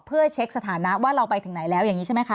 เพื่อเช็คสถานะว่าเราไปถึงไหนแล้วอย่างนี้ใช่ไหมคะ